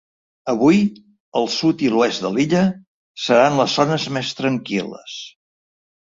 Avui el sud i l’oest de l’illa seran les zones més tranquil·les.